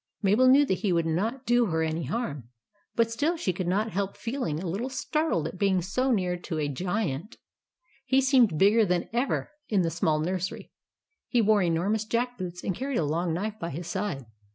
Mabel knew that he would not do her any harm; but still she could not help feel ing a little startled at being so near to a i 7 4 THE ADVENTURES OF MABEL Giant He seemed bigger than ever, in the small nursery. He wore enormous jack boots, and carried a long knife by his side.